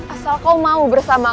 asal kau mau bersamaku